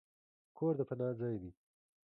کور د پناه ځای دی.